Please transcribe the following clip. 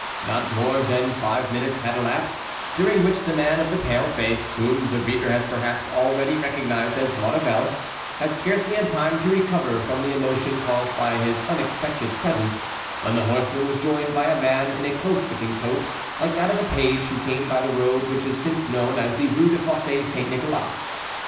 Not more than five minutes had elapsed, during which the man of the pale face, whom the reader has perhaps already recognized as Maurevel, had scarcely had time to recover from the emotion caused by his unexpected presence, when the horseman was joined by a man in a close fitting coat, like that of a page, who came by the road which is since known as the Rue des Fossés Saint Nicholas.